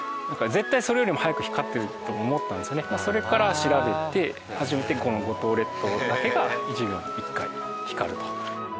それから調べて初めてこの五島列島だけが１秒に１回光ると。